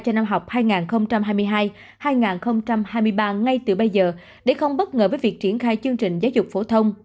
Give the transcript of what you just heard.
cho năm học hai nghìn hai mươi hai hai nghìn hai mươi ba ngay từ bây giờ để không bất ngờ với việc triển khai chương trình giáo dục phổ thông